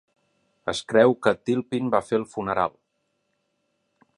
Es creu que Tilpin va fer el funeral.